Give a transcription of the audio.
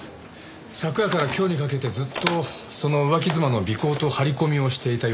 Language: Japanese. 昨夜から今日にかけてずっとその浮気妻の尾行と張り込みをしていたようです。